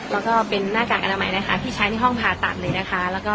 แล้วก็เป็นหน้ากากอนามัยนะคะที่ใช้ในห้องผ่าตัดเลยนะคะ